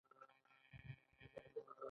هغه د دې وضعیت پر شتون قایل دی.